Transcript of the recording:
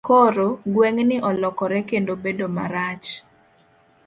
Koro, gweng' ni olokore kendo bedo marach.